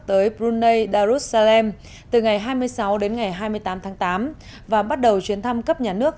tới brunei darussalem từ ngày hai mươi sáu đến ngày hai mươi tám tháng tám và bắt đầu chuyến thăm cấp nhà nước